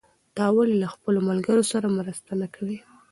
ته ولې له خپلو ملګرو سره مرسته نه کوې؟